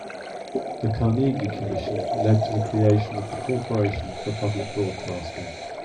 The Carnegie Commission led to the creation of the Corporation for Public Broadcasting.